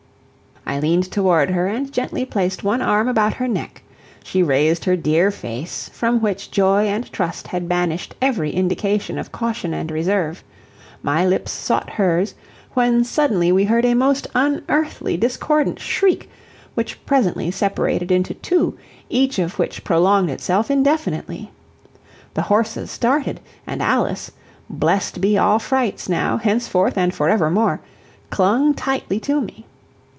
I leaned toward her, and gently placed one arm about her neck; she raised her dear face, from which joy and trust had banished every indication of caution and reserve, my lips sought hers, when suddenly we heard a most unearthly, discordant shriek, which presently separated into two, each of which prolonged itself indefinitely. The horses started, and Alice blessed be all frights, now, henceforth, and forevermore! clung tightly to me.